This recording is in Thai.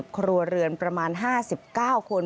ครัวเรือนประมาณ๕๙คน